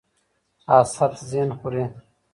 حسد ذهن خوري